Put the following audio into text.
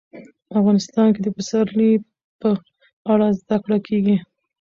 افغانستان کې د پسرلی په اړه زده کړه کېږي.